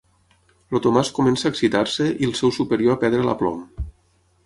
El Tomàs comença a excitar-se i el seu superior a perdre l'aplom.